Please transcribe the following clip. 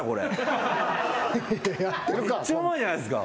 めっちゃうまいじゃないっすか。